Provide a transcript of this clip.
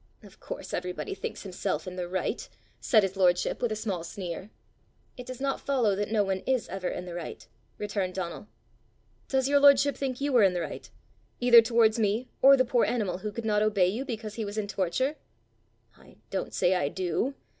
"Of course everybody thinks himself in the right!" said his lordship with a small sneer. "It does not follow that no one is ever in the right!" returned Donal. "Does your lordship think you were in the right either towards me or the poor animal who could not obey you because he was in torture?" "I don't say I do."